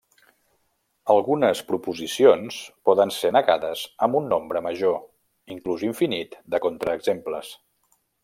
Algunes proposicions poden ser negades amb un nombre major, inclús infinit de contraexemples.